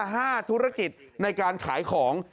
เดินหน้า๕ธุรกิจในการขายของ